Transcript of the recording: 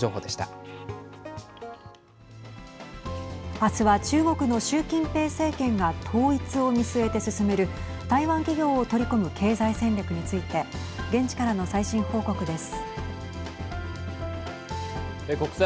明日は中国の習近平政権が統一を見据えて進める台湾企業を取り込む経済戦略について現地からの最新報告です。